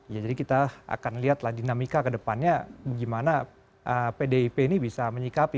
ya jadi kita akan lihatlah dinamika kedepannya bagaimana pdip ini bisa menyikapi